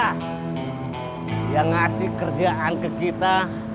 yang ngasih kerjaan ke kita